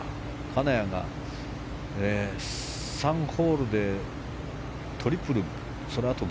金谷が３ホールでトリプルそのあと